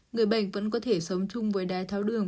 người bệnh vẫn có thể sống chung với đái tháo đường